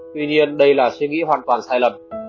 tuy nhiên đây là suy nghĩ hoàn toàn sai lầm